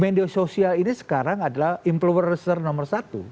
media sosial ini sekarang adalah influencer nomor satu